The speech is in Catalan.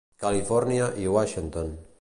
Califòrnia i Washington.